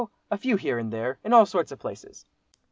a few here and there, in all sorts of places."